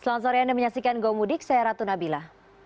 selamat sore anda menyaksikan go mudik saya ratu nabila